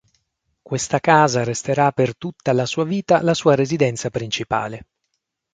Questa casa resterà per tutta la sua vita la sua residenza principale.